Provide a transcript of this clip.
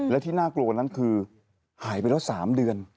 และที่น่ากลัวนั้นคือหายไปแล้ว๓เดือน